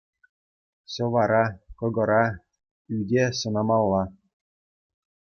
Ҫӑвара, кӑкӑра, ӳте сӑнамалла.